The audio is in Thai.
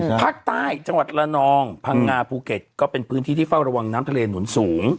ภาคใต้จังหวัดละนองพังงาภูเก็ตก็เป็นพื้นที่ที่เฝ้าระวังน้ำทะเลหนุนสูง